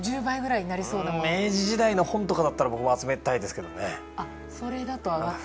明治時代の本とかだったら僕も集めたいですけどね。